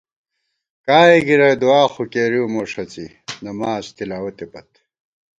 کائےگِرَئی دُعا خو کېرِؤ مو ݭڅِی ، نماڅ تِلاوَتے پت